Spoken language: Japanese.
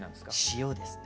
塩ですね。